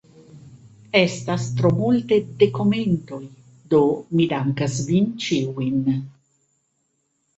Estas tro multe de komentoj, do mi dankas vin ĉiujn.